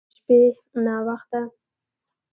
د شپې ناوخته